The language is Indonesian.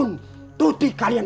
antara di masa depan